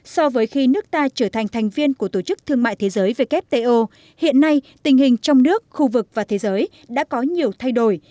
so với khi nước ta trở thành thành viên của tổ chức thương mại thế giới wto hiện nay tình hình trong nước khu vực và thế giới đã có nhiều thay đổi